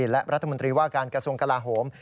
และรัฐมนตรีว่าการกระทรวงกลาโหม